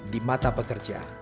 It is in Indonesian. di mata pekerja